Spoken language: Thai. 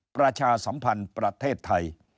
ประชาสัมพันธ์ประเทศไทย